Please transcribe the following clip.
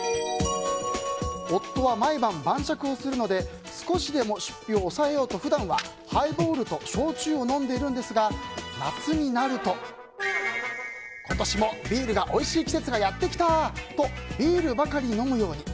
夫は毎晩、晩酌をするので少しでも出費を抑えようと普段はハイボールと焼酎を飲んでいるんですが、夏になると今年もビールがおいしい季節がやってきたとビールばかり飲むように。